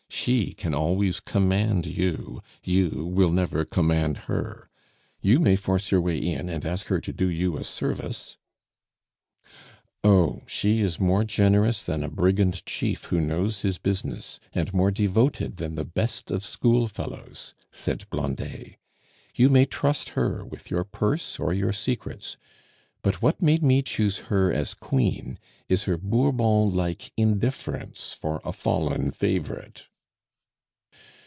She can always command you; you will never command her. You may force your way in and ask her to do you a service " "Oh, she is more generous than a brigand chief who knows his business, and more devoted than the best of school fellows," said Blondet. "You may trust her with your purse or your secrets. But what made me choose her as queen is her Bourbon like indifference for a fallen favorite."